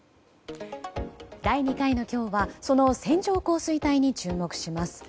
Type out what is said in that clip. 第２回の今日はその線状降水帯に注目します。